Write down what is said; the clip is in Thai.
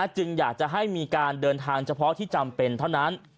จึงอยากจะให้มีการเดินทางเฉพาะที่จำเป็นเท่านั้น